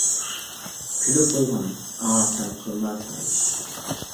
كۈلۈپ قويغىن ئاڭا سەن قىلما كايىش.